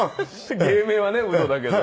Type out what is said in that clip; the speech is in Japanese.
芸名はねウドだけど。